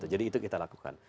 jadi itu kita lakukan